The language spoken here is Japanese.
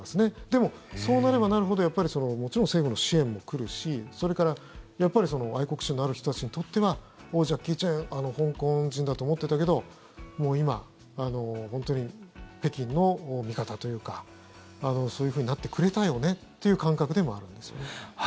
でも、そうなればなるほどもちろん政府の支援も来るしそれから、やっぱり愛国心のある人たちにとってはおっ、ジャッキー・チェン香港人だと思ってたけどもう今、本当に北京の味方というかそういうふうになってくれたよねという感覚でもあるんですよね。